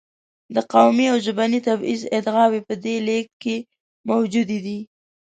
د قومي او ژبني تبعیض ادعاوې په دې لېږد کې موجودې دي.